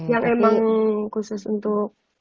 yang emang khusus untuk